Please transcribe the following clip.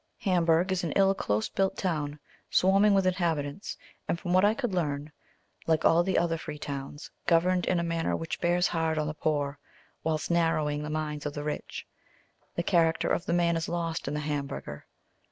Hamburg is an ill, close built town, swarming with inhabitants, and, from what I could learn, like all the other free towns, governed in a manner which bears hard on the poor, whilst narrowing the minds of the rich; the character of the man is lost in the Hamburger.